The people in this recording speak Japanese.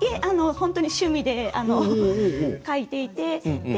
本当に趣味で描いていて。